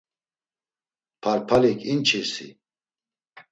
Parpalik inçirsi!